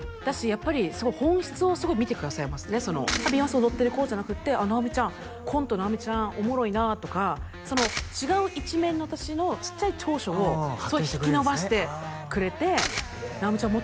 やっぱり本質をすごい見てくださいますねビヨンセ踊ってる頃じゃなくって「直美ちゃんコント直美ちゃんおもろいな」とか違う一面の私のちっちゃい長所を引き伸ばしてくれて「直美ちゃん